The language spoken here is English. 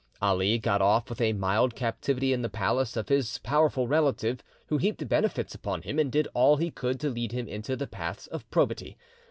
Ali got off with a mild captivity in the palace of his powerful relative, who heaped benefits upon him, and did all he could to lead him into the paths of probity.